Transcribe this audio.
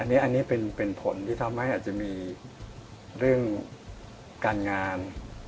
อันนี้เป็นผลที่ทำให้อาจจะมีเรื่องการงาน